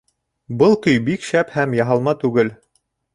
Был көй бик шәп һәм яһалма түгел